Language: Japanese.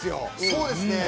そうですね。